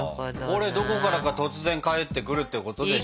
これどこからか突然帰ってくるってことでしょ？